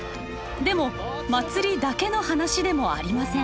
でも祭りだけの話でもありません。